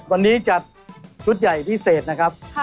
วันนี้จัดชุดใหญ่พิเศษนะครับ